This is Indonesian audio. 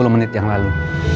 sepuluh menit yang lalu